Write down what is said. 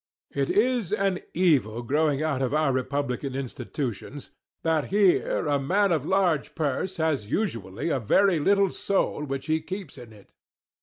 It is an evil growing out of our republican institutions, that here a man of large purse has usually a very little soul which he keeps in it.